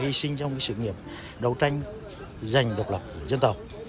hy sinh trong sự nghiệp đấu tranh dành độc lập cho dân tộc